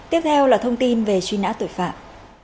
tiếp theo là thông tin về truy nã tội phạm